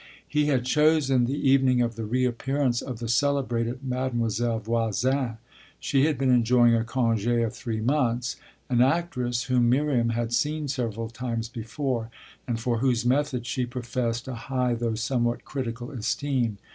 He had chosen the evening of the reappearance of the celebrated Mademoiselle Voisin she had been enjoying a congé of three months an actress whom Miriam had seen several times before and for whose method she professed a high though somewhat critical esteem.